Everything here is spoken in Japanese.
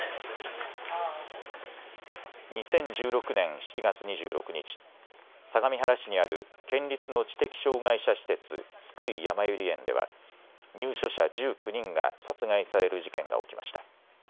２０１６年７月２６日、相模原市にある県立の知的障害者施設津久井やまゆり園では入所者１９人が殺害される事件が起きました。